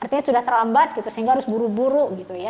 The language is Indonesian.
artinya sudah terlambat sehingga harus buru buru